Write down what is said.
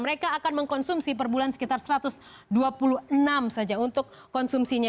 mereka akan mengkonsumsi per bulan sekitar satu ratus dua puluh enam saja untuk konsumsinya